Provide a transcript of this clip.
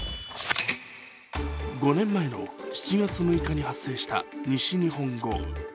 ５年前の７月６日に発生した西日本豪雨。